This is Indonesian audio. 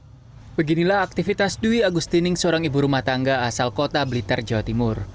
hai beginilah aktivitas dwi agustin seorang ibu rumah tangga asal kota blitar jawa timur